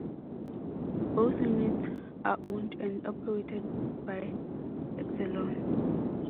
Both units are owned and operated by Exelon.